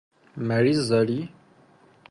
مریض داری